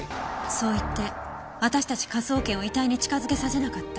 そう言って私たち科捜研を遺体に近づけさせなかった。